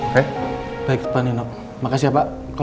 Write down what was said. satu tahun kurang lebih kita harus rampungkan